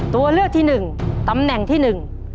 ตัวเลือกที่หนึ่งตำแหน่งที่หนึ่ง